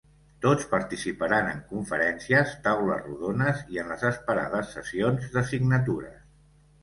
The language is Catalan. Tots participaran en conferències, taules rodones i en les esperades sessions de signatures.